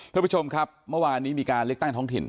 ท่านผู้ชมครับเมื่อวานนี้มีการเลือกตั้งท้องถิ่น